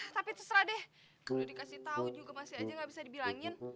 tapi terserah deh udah dikasih tau juga masih aja gak bisa dibilangin